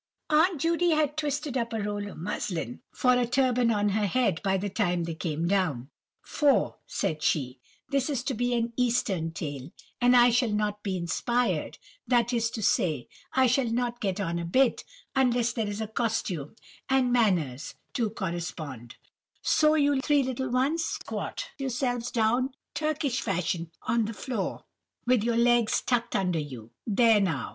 Aunt Judy had twisted up a roll of muslin for a turban on her head by the time they came down, "for," said she, "this is to be an eastern tale, and I shall not be inspired—that is to say, I shall not get on a bit—unless there is a costume and manners to correspond, so you three little ones squat yourselves down Turkish fashion on the floor, with your legs tucked under you. There now!